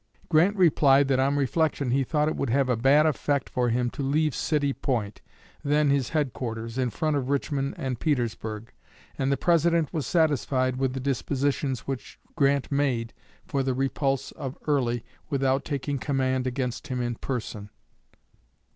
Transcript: Grant replied that on reflection he thought it would have a bad effect for him to leave City Point, then his headquarters, in front of Richmond and Petersburg; and the President was satisfied with the dispositions which Grant made for the repulse of Early without taking command against him in person."